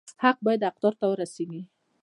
حق باید حقدار ته ورسي